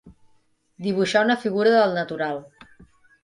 Dibuixar una figura del natural.